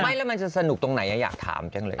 แล้วมันจะสนุกตรงไหนอยากถามจังเลย